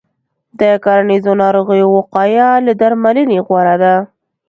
د کرنیزو ناروغیو وقایه له درملنې غوره ده.